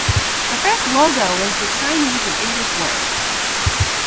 The first logo was the Chinese and English words.